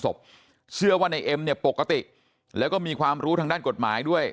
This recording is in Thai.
เชื่อว่าในเอ็มเนี่ยปกติแล้วก็มีความรู้ทางด้านกฎหมายด้วย